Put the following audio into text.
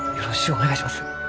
お願いします。